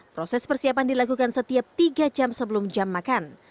proses persiapan dilakukan setiap tiga jam sebelum jam makan